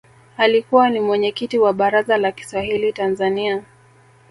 alikuwa ni mwenyekiti wa baraza la Kiswahili tanzania